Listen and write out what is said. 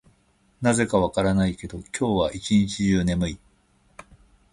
なぜか分からないけど、今日は一日中眠い。